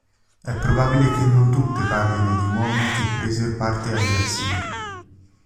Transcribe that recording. È probabile che non tutte parlino di uomini che presero parte alle razzie.